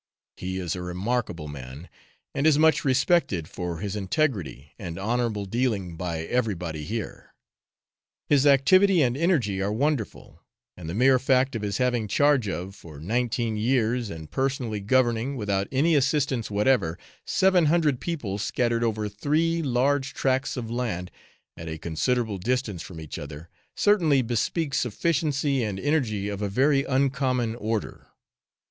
He is a remarkable man and is much respected for his integrity and honourable dealing by everybody here. His activity and energy are wonderful, and the mere fact of his having charge of for nineteen years, and personally governing, without any assistance whatever, seven hundred people scattered over three large tracts of land, at a considerable distance from each other, certainly bespeaks efficiency and energy of a very uncommon order.